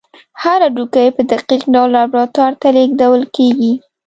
هر هډوکی په دقیق ډول لابراتوار ته لیږدول کېږي.